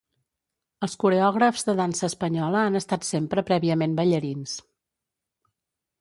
Els coreògrafs de dansa espanyola han estat sempre prèviament ballarins.